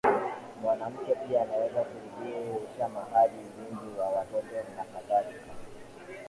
Mwanamke pia anaweza Kurudisha mahari ulinzi wa watoto nakadhalika